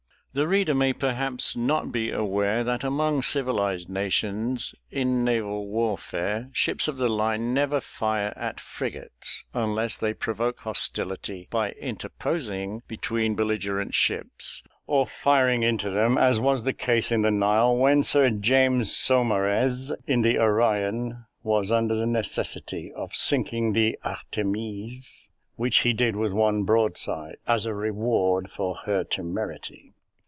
The reader may perhaps not be aware that among civilised nations, in naval warfare, ships of the line never fire at frigates, unless they provoke hostility by interposing between belligerent ships, or firing into them, as was the case in the Nile, when Sir James Saumarez, in the Orion, was under the necessity of sinking the Artemise, which he did with one broadside, as a reward for her temerity.